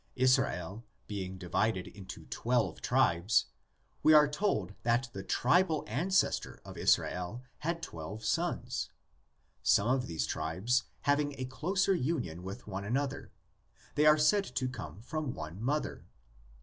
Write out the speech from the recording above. Israel being ' VARIETIES OF THE LEGENDS. 19 divided into twelve tribes, we are told that the tribal ancestor of Israel had twelve sons. Some of these tribes having a closer union with one another, they are said to come from one mother.